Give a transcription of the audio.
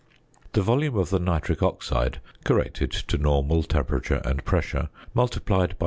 The volume of the nitric oxide (corrected to normal temperature and pressure), multiplied by 0.